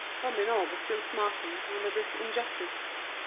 Robineau was still smarting under this injustice.